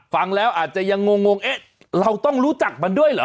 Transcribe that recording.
ฟังแล้วอาจจะยังงงเอ๊ะเราต้องรู้จักมันด้วยเหรอ